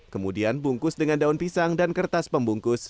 kemudian bungkus dengan daun pisang dan kertas pembungkus